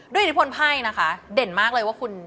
ด้วยอิทธิพล๕นะคะเด่นมากเลยว่าคุณ